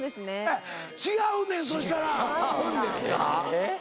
違うんですか？